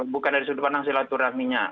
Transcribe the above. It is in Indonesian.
bukan dari sudut pandang silaturahminya